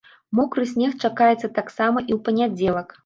Мокры снег чакаецца таксама і ў панядзелак.